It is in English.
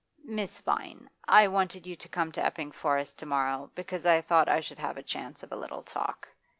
'Miss Vine, I wanted you to come to Epping Forest to morrow because I thought I should have a chance of a little talk.